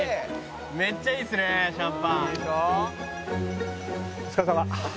めっちゃいいですねシャンパン」